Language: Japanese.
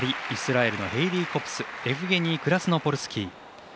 イスラエルのヘイリー・コプスエフゲニー・クラスノポルスキー。